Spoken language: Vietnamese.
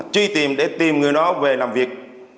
truy tìm để tìm người đó về làm việc